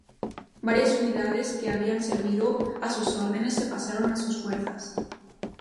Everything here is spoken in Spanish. Varias unidades que habían servido a sus órdenes se pasaron a sus fuerzas.